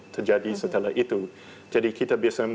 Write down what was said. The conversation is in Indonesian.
terjadi setelah itu jadi kita bisa